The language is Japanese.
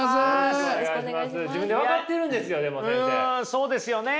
そうですよね。